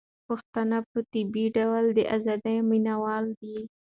پښتانه په طبيعي ډول د ازادۍ مينه وال دي.